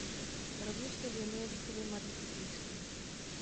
Rovněž se věnuje výchově mladých hokejistů.